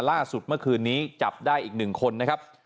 ล่าสุดเมื่อคืนนี้จับได้อีก๑คนนะครับ